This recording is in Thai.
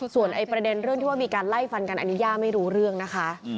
ส่วนประเด็นเรื่องที่ว่ามีการไล่ฟันกันอันนี้ย่าไม่รู้เรื่องนะคะ